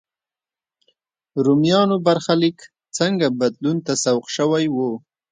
رومیانو برخلیک څنګه بدلون ته سوق شوی و.